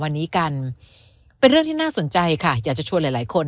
วันนี้กันเป็นเรื่องที่น่าสนใจค่ะอยากจะชวนหลายคน